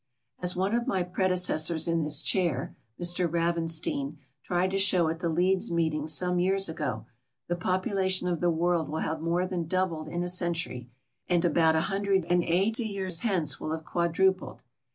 As one of my predecessors in this chair (Mr Ravenstein) tried to show at the Leeds meeting some years ago, the population of the world will have more than doubled in a century, and about 180 years hence will have quadrupled.